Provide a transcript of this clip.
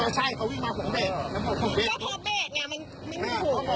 แล้วพอเบชมันก็ไม่ถูก